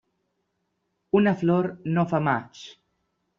Una flor no fa maig.